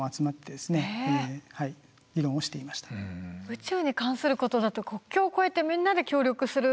宇宙に関することだと国境を越えてみんなで協力する。